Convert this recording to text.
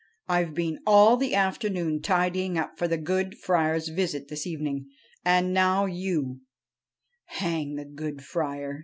I Ve been all the afternoon tidying up for the good Friar's visit this evening, and now you '' Hang the good Friar